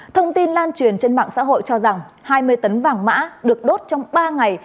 thông tin lan truyền trên mạng xã hội cho rằng hai mươi tấn vàng mã được đốt trong ba ngày